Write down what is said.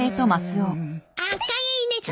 赤いです。